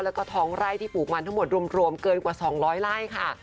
แล้วก็ท้องไร่ที่ปลูกมันทั้งหมดรวมเกินกว่า๒๐๐ไร่ค่ะ